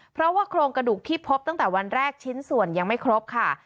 เพราะว่าโครงกระดูกที่พบตั้งแต่วันแรกชิ้นส่วนยังไม่ครบค่ะ